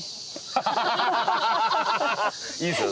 いいですよ。